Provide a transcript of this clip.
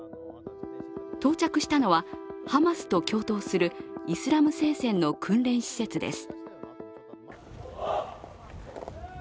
到着したのはハマスと共闘するイスラム聖戦の訓練施設です。